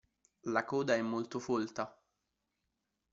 La coda è molto folta.